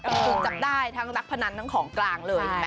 ถูกจับได้ทั้งนักพนันทั้งของกลางเลย